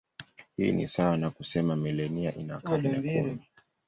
Hii ni sawa na kusema milenia ina karne kumi.